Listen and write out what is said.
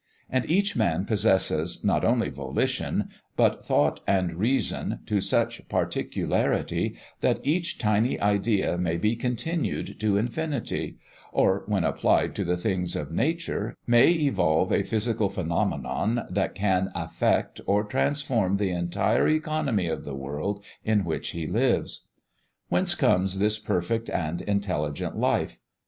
And each man possesses not only volition, but thought and reason to such particularity that each tiny idea may be continued to infinity; or, when applied to the things of nature, may evolve a physical phenomenon that can affect or transform the entire economy of the world in which he lives. Whence comes this perfect and intelligent life?